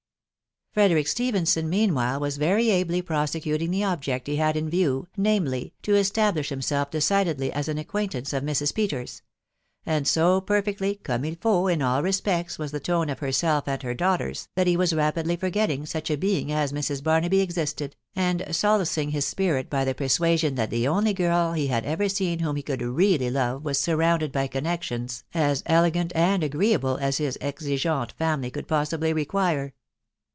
Frederick Stephenson meanwhile was very ably prosecuting the object he had in view, namely, to establish himself de cidedly as an acquaintance of Mrs. Peters ; and so perfectly comme il faut in all respects was the tone of herself and her daughters, that he was rapidly forgetting such a being as Mrs. Barnaby existed, and solacing his spirit by the persuasion that the only girl he had ever seen whom he could really love was surrounded by connections as elegant and agreeable as his exi geante family could possibly require.